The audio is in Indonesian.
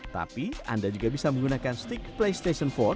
tapi anda juga bisa menggunakan stick playstation empat